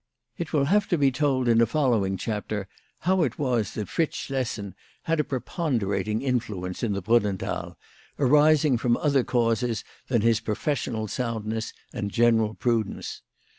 It will have to be told in a following chapter how it was that Fritz Schlessen had a preponderating influence in the Brunnenthal, arising from other causes than his professional soundness and general prudence.